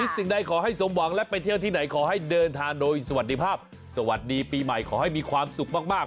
สิ่งใดขอให้สมหวังและไปเที่ยวที่ไหนขอให้เดินทางโดยสวัสดีภาพสวัสดีปีใหม่ขอให้มีความสุขมาก